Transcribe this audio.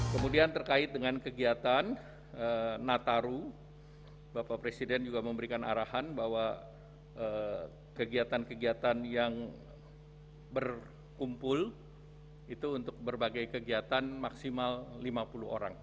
kemudian terkait dengan kegiatan nataru bapak presiden juga memberikan arahan bahwa kegiatan kegiatan yang berkumpul itu untuk berbagai kegiatan maksimal lima puluh orang